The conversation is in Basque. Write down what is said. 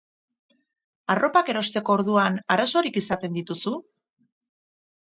Arropak erosteko orduan arazoak izaten dituzu?